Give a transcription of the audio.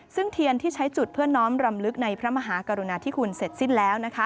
ซึ่งเทียนที่ใช้จุดเพื่อน้อมรำลึกในพระมหากรุณาธิคุณเสร็จสิ้นแล้ว